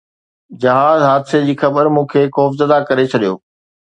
جهاز حادثي جي خبر مون کي خوفزده ڪري ڇڏيو